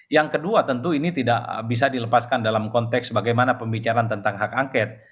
yang kedua tentu ini tidak bisa dilepaskan dalam konteks bagaimana pembicaraan tentang hak angket